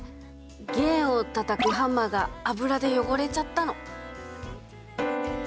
弦をたたくハンマーが油でよごれちゃったの。